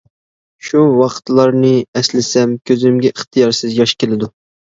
شۇ ۋاقىتلارنى ئەسلىسەم كۆزۈمگە ئىختىيارسىز ياش كېلىدۇ!